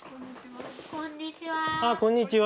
あっこんにちは。